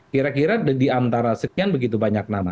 kira kira di antara sekian begitu banyak nama